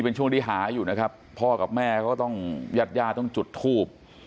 เป็นช่วงที่หาอยู่นะครับพ่อกับแม่ยาดญาติต้องจุดทูป